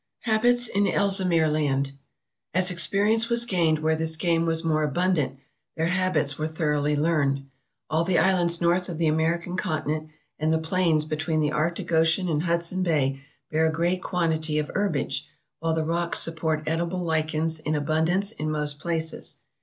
Habits in Ellesmere Land As experience was gained where this game was more abundant, their habits were thoroughly learned, All the islands north of M ISC ELLA NEO US 495 the American continent and the plains between the Arctic Ocean and Hudson Bay bear a great quantity of herbage, while the rocks support edible lichens in abundance in most places.